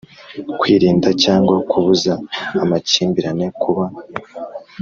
Kwirinda cyangwa kubuza amakimbirane kuba